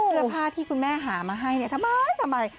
เสื้อผ้าที่คุณแม่หามาให้เนี่ยทำไมทำไม